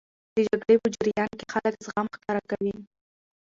د جګړې په جریان کې خلک زغم ښکاره کوي.